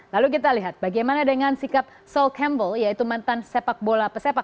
lalu kita lihat bagaimana dengan sikap soul campbell yaitu mantan sepak bola pesepak